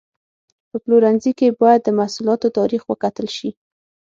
په پلورنځي کې باید د محصولاتو تاریخ وکتل شي.